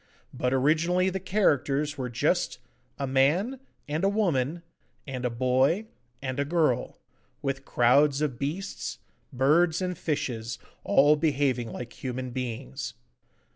But originally the characters were just 'a man,' and 'a woman,' and 'a boy,' and 'a girl,' with crowds of beasts, birds, and fishes, all behaving like human beings.